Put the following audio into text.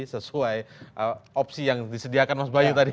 sesuai opsi yang disediakan mas bayu tadi